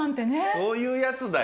そういうやつだよ。